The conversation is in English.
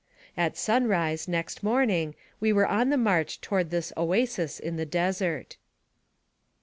.At sunrise, next morning, we were on the march toward this oasis in the desert.